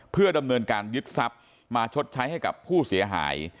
เพื่อดำเนินการยึดทรัพย์มาชดใช้ให้กับผู้เสียหาย